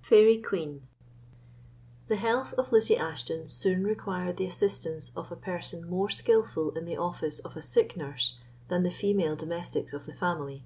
Faerie Queene. The health of Lucy Ashton soon required the assistance of a person more skilful in the office of a sick nurse than the female domestics of the family.